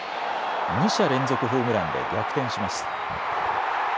２者連続ホームランで逆転します。